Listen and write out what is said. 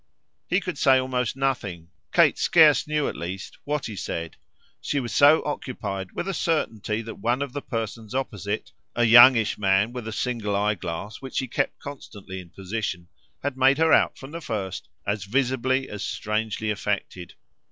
He could say almost nothing Kate scarce knew, at least, what he said; she was so occupied with a certainty that one of the persons opposite, a youngish man with a single eye glass which he kept constantly in position, had made her out from the first as visibly, as strangely affected.